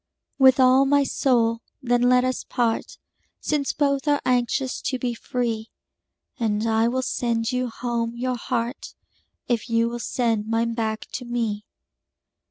With all my soul, then, let us part, Since both are anxious to be free; And I will sand you home your heart, If you will send mine back to me.